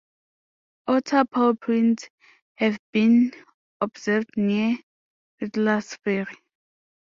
Otter pawprints have been observed near Fiddlers Ferry.